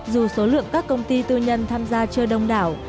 dù số lượng các công ty tư nhân tham gia chưa đông đảo